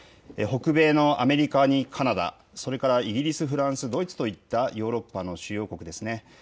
北米のアメリカにカナダ、それにイギリス、フランス、ドイツといったヨーロッパの主要国です。